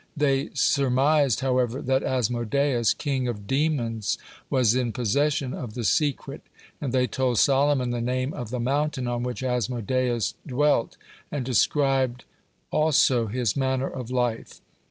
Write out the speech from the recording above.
They surmised, however, that Asmodeus, (83) king of demons, was in possession of the secret, and they told Solomon the name of the mountain on which Asmodeus dwelt, and described also his manner of life.